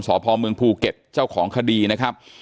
สพเมืองภูเก็ตเจ้าของคดีนะครับ